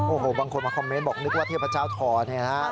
โอ้โหบางคนมาคอมเมนต์บอกนึกว่าเทพเจ้าทอเนี่ยนะฮะ